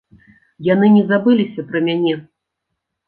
Яны не забыліся пра мяне.